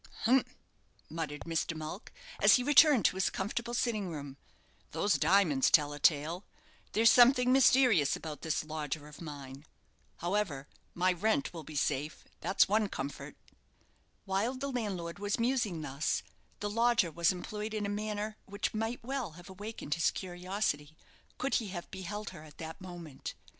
"Humph!" muttered Mr. Mulck, as he returned to his comfortable sitting room; "those diamonds tell a tale. There's something mysterious about this lodger of mine. However, my rent will be safe that's one comfort." While the landlord was musing thus, the lodger was employed in a manner which might well have awakened his curiosity, could he have beheld her at that moment.